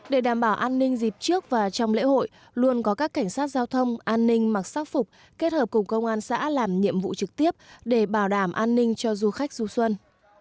để đảm bảo an ninh dịp trước và trong lễ hội luôn có các cảnh sát giao thông an ninh mặc sắc phục kết hợp cùng công an xã làm nhiệm vụ trực tiếp để bảo đảm an ninh cho du khách du xuân